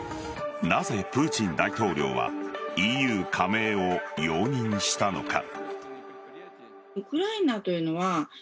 なぜプーチン大統領はＥＵ加盟を容認したのか。